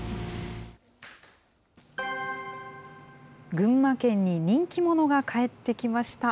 群馬県に人気者が帰ってきました。